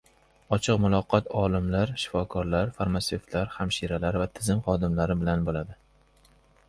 Ochiq muloqot olimlar, shifokorlar, farmatsevtlar, hamshiralar va tizim xodimlari bilan bo‘ladi